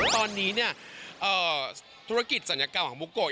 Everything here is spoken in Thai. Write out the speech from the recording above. ตอนนี้ธุรกิจศัลยกรรมของบุกโกะ